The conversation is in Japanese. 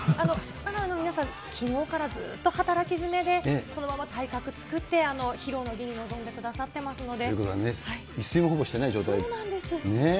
皆さん、きのうからずっと働き詰めで、そのまま体格作って、披露の儀に臨んでくださってますので。